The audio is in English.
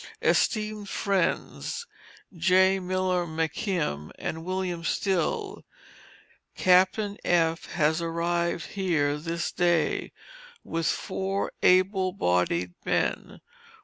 ESTEEMED FRIENDS, J. Miller McKim and William Still: Captain F., has arrived here this day, with four able bodied men.